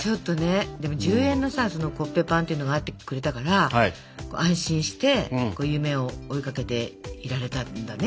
でも１０円のさそのコッペパンっていうのがあってくれたから安心して夢を追いかけていられたんだね。